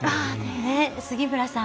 杉村さん